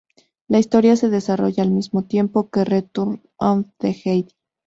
La historia se desarrolla al mismo tiempo que "Return of the Jedi".